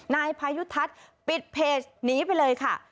นายพายุทัศน์ปิดเพจหนีไปเลยค่ะ